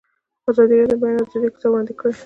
ازادي راډیو د د بیان آزادي کیسې وړاندې کړي.